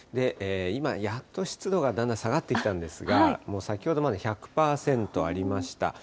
今、やっと湿度がだんだん下がってきたんですが、もう先ほどまで１００％ありました。